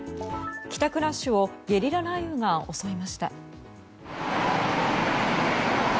帰宅ラッシュをゲリラ雷雨が襲いました。